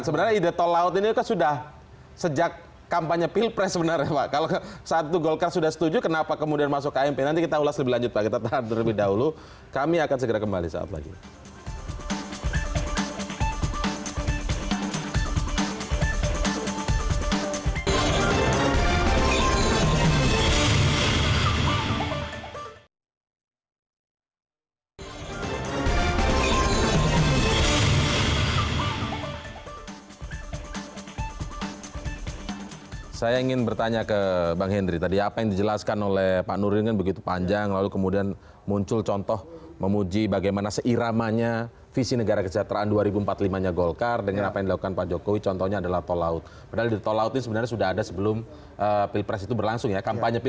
sebenarnya ide tol laut ini sudah sejak kampanye pilpres sebenarnya pak kalau saat itu golkar sudah setuju kenapa kemudian masuk kmp nanti kita ulas lebih lanjut pak kita tahan terlebih dahulu kami akan segera kembali saat lagi